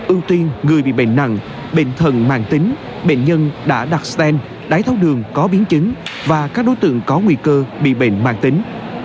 ưu tiên người bị bệnh nặng bệnh thần mạng tính bệnh nhân đã đặt stent đáy tháo đường có biến chứng và các đối tượng có nguy cơ bị bệnh mạng tính